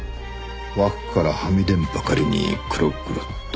枠からはみ出んばかりに黒々と。